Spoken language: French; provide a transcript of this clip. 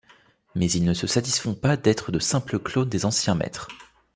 Mais ils ne se satisfont pas d'être de simples clones des anciens maîtres.